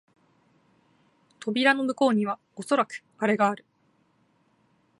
扉の向こうにはおそらくアレがある